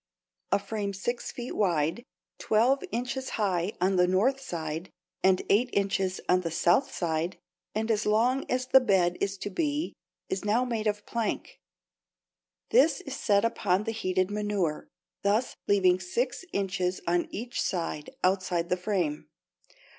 A frame six feet wide, twelve inches high on the north side and eight inches on the south side and as long as the bed is to be, is now made of plank. This is set upon the heated manure, thus leaving six inches on each side outside the frame.